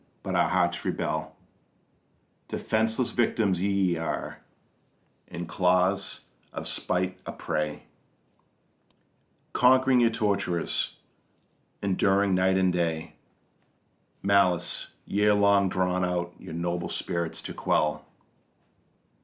but our hearts rebel: Defenceless victims ye are, in claws of spite a prey, Conquering your torturers, enduring night and day Malice, year long drawn out your noble spirits to quell.